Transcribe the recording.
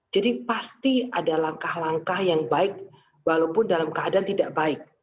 jadi pasti ada langkah langkah yang baik walaupun dalam keadaan tidak baik